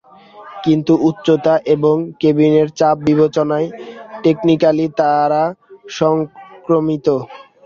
কিন্তু উচ্চতা এবং কেবিনের চাপ বিবেচনায়, টেকনিক্যালি, তারা সংক্রামিত।